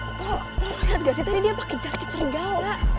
lo liat gak sih tadi dia pake jaket serigawa